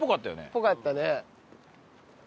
っぽかったね。